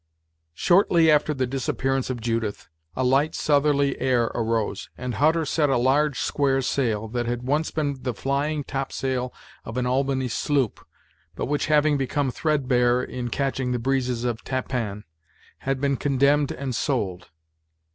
Shortly after the disappearance of Judith, a light southerly air arose, and Hutter set a large square sail, that had once been the flying top sail of an Albany sloop, but which having become threadbare in catching the breezes of Tappan, had been condemned and sold.